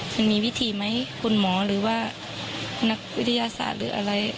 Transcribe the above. มันมีวิธีไหมคุณหมอหรือว่านักวิทยาศาสตร์หรืออะไร